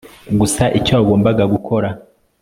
Gusa icyo wagombaga gukora